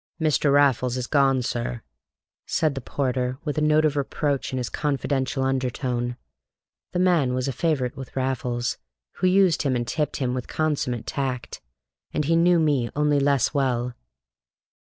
"Mr. Raffles 'as gawn, sir," said the porter, with a note of reproach in his confidential undertone. The man was a favorite with Raffles, who used him and tipped him with consummate tact, and he knew me only less well.